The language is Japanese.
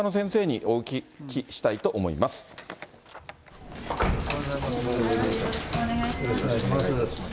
よろしくお願いします。